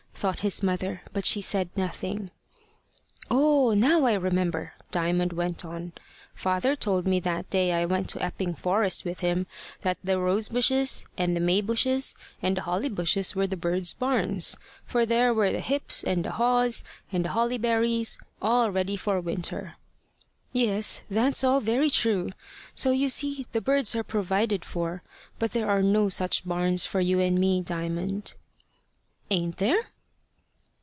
thought his mother, but she said nothing. "Oh! now I remember," Diamond went on. "Father told me that day I went to Epping Forest with him, that the rose bushes, and the may bushes, and the holly bushes were the bird's barns, for there were the hips, and the haws, and the holly berries, all ready for the winter." "Yes; that's all very true. So you see the birds are provided for. But there are no such barns for you and me, Diamond." "Ain't there?"